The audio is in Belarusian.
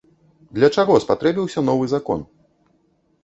Для чаго спатрэбіўся новы закон?